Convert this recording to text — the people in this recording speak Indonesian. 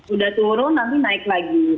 udah turun nanti naik lagi